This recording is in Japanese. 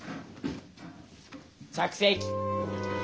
着席！